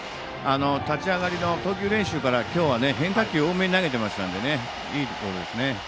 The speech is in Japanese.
立ち上がりの投球練習から今日は変化球を多めに投げていましたのでいいボールでしたね。